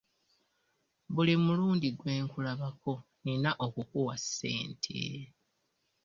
Buli mulundi gwe nkulabako nina okukuwa ssente.